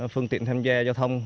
phương tiện tham gia giao thông